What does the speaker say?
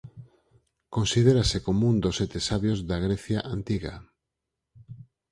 Considérase como un dos sete sabios da Grecia Antiga.